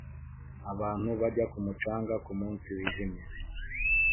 Abantu bajya ku mucanga kumunsi wijimye